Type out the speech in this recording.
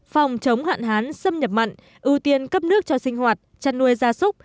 phòng chống hạn hán xâm nhập mặn ưu tiên cấp nước cho sinh hoạt chăn nuôi gia súc